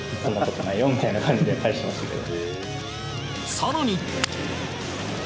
更に。